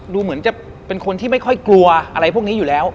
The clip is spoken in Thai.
ดูเหมือนจะเป็นคนที่ไม่ค่อยกลัวอะไรพวกนี้อยู่แล้ว